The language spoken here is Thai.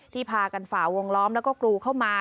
พากันฝ่าวงล้อมแล้วก็กรูเข้ามา